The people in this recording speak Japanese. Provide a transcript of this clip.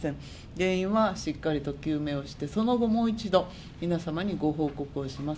原因はしっかりと究明をして、その後もう一度、皆様にご報告をします。